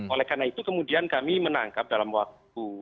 oleh karena itu kemudian kami menangkap dalam waktu